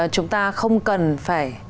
chúng ta không cần phải